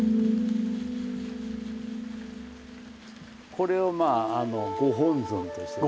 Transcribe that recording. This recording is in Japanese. これをまあご本尊としてですね。